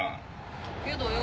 けどよぉ